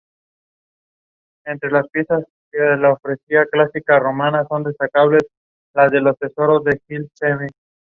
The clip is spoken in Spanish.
Fue nombrado en honor al almirante y explorador ruso Mijaíl Lázarev.